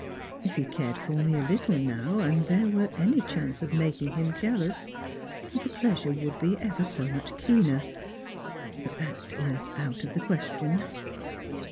If ne cared for me a little, now, and there were any chance of making him jealous, the pleasure would be ever so much keener ; but that is out of the question."